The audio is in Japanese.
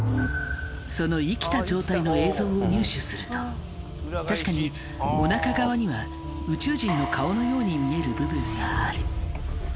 その生きた状態の映像を入手すると確かにおなか側には宇宙人の顔のように見える部分がある。